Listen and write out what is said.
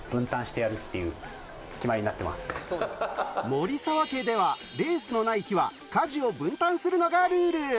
守澤家ではレースのない日は家事を分担するのがルール。